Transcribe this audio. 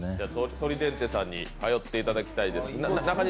ソリデンテさんに通っていただきたいです。